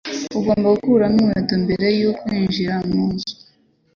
Ugomba gukuramo inkweto mbere yo kwinjira munzu.